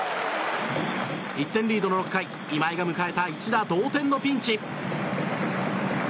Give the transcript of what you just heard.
１点リードの６回今井が迎えた一打同点のピンチ。